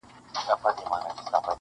چي له دنیا نه ارمانجن راغلی یمه!!